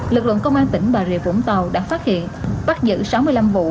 lực lượng công an tỉnh bà rịa vũng tàu đã phát hiện bắt giữ sáu mươi năm vụ